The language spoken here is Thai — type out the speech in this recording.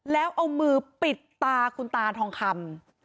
แล้วเอามือปิดตาคุณตาทองคำ